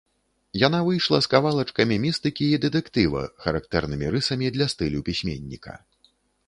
Яна выйшла з кавалачкамі містыкі і дэтэктыва, характэрнымі рысамі для стылю пісьменніка.